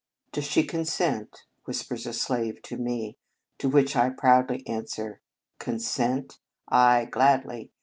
" Does she consent ?" whispers a slave to me; to which I proudly answer: "Consent! Ay, gladly.